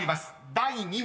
第２問］